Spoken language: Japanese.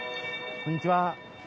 こんにちは。